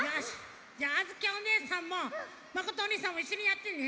じゃああづきおねえさんもまことおにいさんもいっしょにやってね。